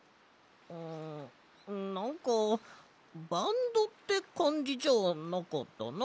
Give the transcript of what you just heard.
んなんかバンドってかんじじゃなかったな。